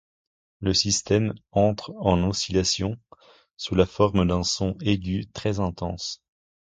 Le système entre en oscillation sous la forme d'un son aigu très intense.